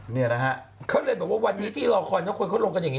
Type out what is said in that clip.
นี่นะฮะเขาเรียนว่าวันนี้ที่รอควรแล้วกันลงกันอย่างนี้